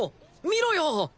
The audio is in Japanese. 見ろよ